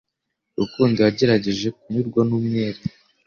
Rukundo yagerageje kunyurwa numwere